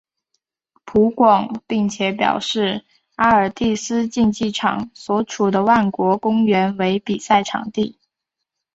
葡广并且表示阿尔蒂斯竞技场所处的万国公园为比赛场地。